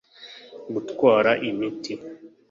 gutwara imiti